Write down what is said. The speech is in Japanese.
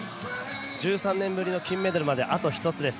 １３年ぶりの金メダルまであと１つです